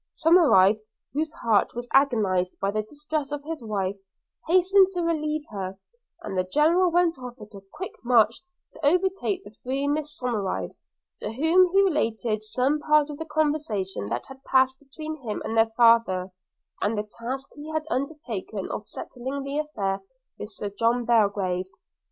Somerive, whose heart was agonized by the distress of his wife, hastened to relieve her; and the General went off at a quick march to overtake the three Miss Somerives, to whom he related some part of the conversation that had passed between him and their father, and the task he had undertaken of settling the affair with Sir John Belgrave.